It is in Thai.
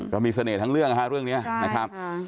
ก็มีเสน่ห์ทั้งเรื่องค่ะเรื่องเนี้ยใช่ค่ะ